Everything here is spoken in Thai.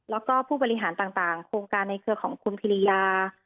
แล้วก็ผู้บริหารต่างโครงการในเครือของคุณพิริยา